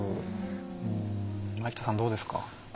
前北さん、どうですか？